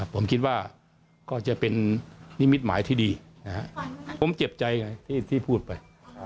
ผมคิดว่าก็จะเป็นนิมิตหมายที่ดีผมเจ็บใจไงที่พูดไป